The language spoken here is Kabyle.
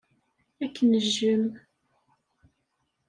Ad k-nejjem.